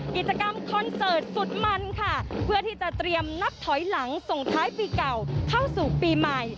กิจกรรมคอนเสิร์ตสุดมันค่ะเพื่อที่จะเตรียมนับถอยหลังส่งท้ายปีเก่าเข้าสู่ปีใหม่